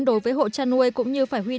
đối với hộ tra nuôi cũng như phải huy đặt